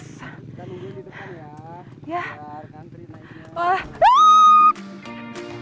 kita nunggu di depan ya